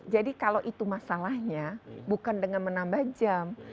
jadi kalau itu masalahnya bukan dengan menambah jam